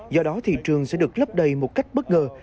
do đó thị trường sẽ được lấp đầy một cách bất ngờ